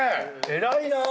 偉いなぁ。